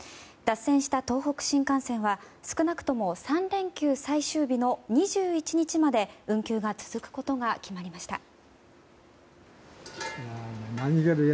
脱線した東北新幹線は少なくとも３連休最終日の２１日まで運休が続くことが決まりました。